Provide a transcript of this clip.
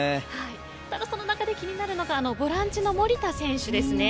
ただその中で気になるのがボランチの守田選手ですね。